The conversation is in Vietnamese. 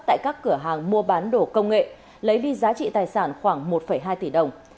tại các cửa hàng mua bán đổ công nghệ lấy đi giá trị tài sản khoảng một hai tỷ đồng